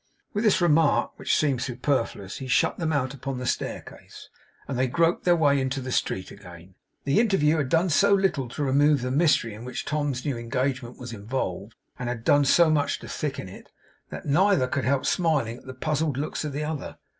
With this remark, which seemed superfluous, he shut them out upon the staircase, and they groped their way into the street again. The interview had done so little to remove the mystery in which Tom's new engagement was involved, and had done so much to thicken it, that neither could help smiling at the puzzled looks of the other.